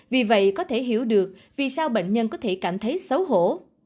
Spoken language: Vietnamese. vì vậy có thể hiểu được vì sao bệnh nhân có thể cảm thấy xấu hổ